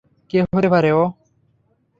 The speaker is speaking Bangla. কে হতে পারে ও?